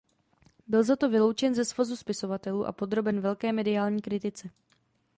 Byl za to vyloučen ze Svazu spisovatelů a podroben velké mediální kritice.